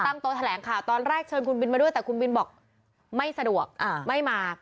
โต๊แถลงข่าวตอนแรกเชิญคุณบินมาด้วยแต่คุณบินบอกไม่สะดวกไม่มา